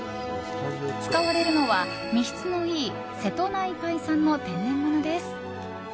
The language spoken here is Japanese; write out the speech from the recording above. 使われるのは、身質のいい瀬戸内海産の天然物です。